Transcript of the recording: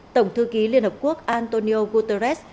tổng thư ký liên hợp quốc antonio guterres